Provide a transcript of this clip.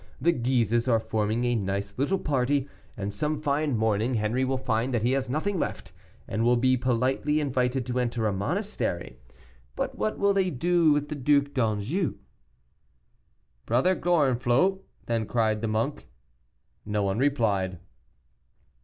The Guises are forming a nice little party, and some fine morning Henri will find that he has nothing left, and will be politely invited to enter a monastery. But what will they do with the Duc d'Anjou?" "Brother Gorenflot," then cried the monk. No one replied.